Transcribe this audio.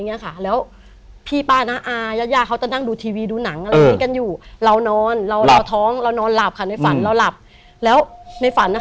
ก็คือเราฝันบ้านเราจะเป็น